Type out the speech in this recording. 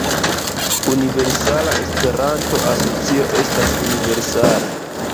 Universala Esperanto-Asocio estas universala.